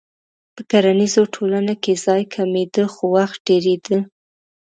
په کرنیزه ټولنه کې ځای کمېده خو وخت ډېرېده.